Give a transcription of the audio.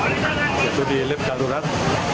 itu di lift darurat